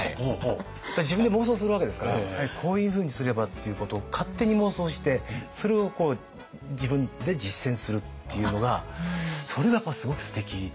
自分で妄想するわけですからこういうふうにすればっていうことを勝手に妄想してそれを自分で実践するっていうのがそれがやっぱりすごくすてきで。